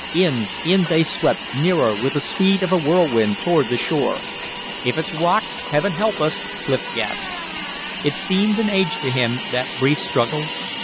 In, in they swept, nearer, with the speed of a whirlwind, toward the shore. "If it's rocks, Heaven help us!" Clif gasped. It seemed an age to him, that brief struggle.